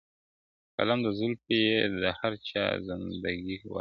قلم د زلفو يې د هر چا زنده گي ورانوي.